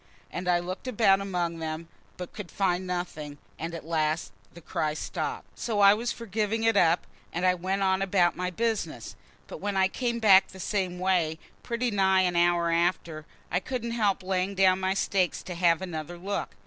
And I looked about among them, but could find nothing, and at last the cry stopped. So I was for giving it up, and I went on about my business. But when I came back the same way pretty nigh an hour after, I couldn't help laying down my stakes to have another look.